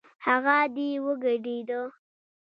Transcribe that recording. هغه دې وګډېږي